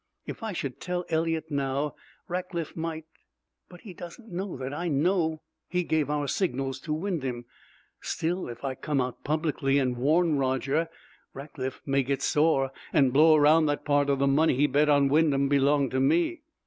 "If I should tell Eliot now, Rackliff might But he doesn't know that I know he gave our signals to Wyndham. Still, if I come out publicly and warn Roger, Rackliff may get sore and blow around that part of the money he bet on Wyndham belonged to me."